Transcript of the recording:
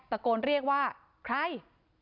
แล้วเจ้านหัภะก็เรียกว่าใคร